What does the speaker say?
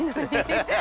ハハハ！